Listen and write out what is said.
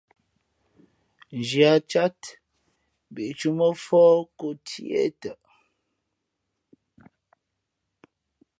Nzhi a cát , mbǐtūmά fōh kō tiê tαʼ.